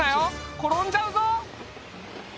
転んじゃうぞ。